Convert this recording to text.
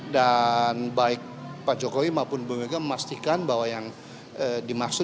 dan baik pak jokowi maupun ibu mega memastikan bahwa yang akan diperoleh ya